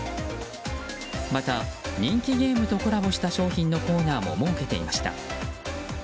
また、人気ゲームとコラボした商品のコーナーも設けていました。